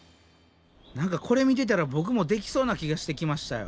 何かこれ見てたらボクもできそうな気がしてきましたよ。